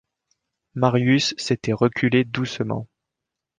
Marius s’était reculé doucement.